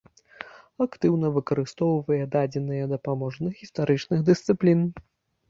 Актыўна выкарыстоўвае дадзеныя дапаможных гістарычных дысцыплін.